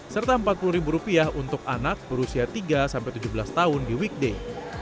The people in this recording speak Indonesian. serta rp empat puluh untuk anak berusia tiga sampai tujuh belas tahun di weekday